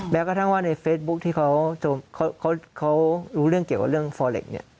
แม้กระทั่งว่าในเฟซบุ๊คที่เขารู้เรื่องเกี่ยวกับเรื่องฟอร์เล็กเนี่ย